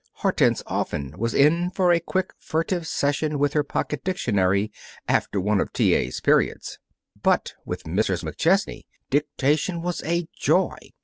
Hortense often was in for a quick, furtive session with her pocket dictionary after one of T. A.'s periods. But with Mrs. McChesney, dictation was a joy.